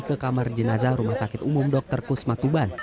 ke kamar jenazah rumah sakit umum dr kusma tuban